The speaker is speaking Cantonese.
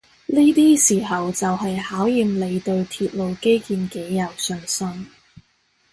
呢啲時候就係考驗你對鐵路基建幾有信心